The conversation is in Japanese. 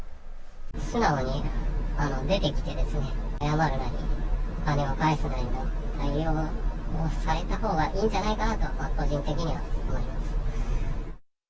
素直に出てきて、謝るなり、お金を返すなりの対応をされたほうがいいんじゃないかなと、個人的には思います。